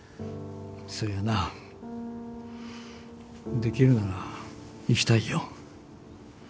そりゃなできるなら生きたいよ。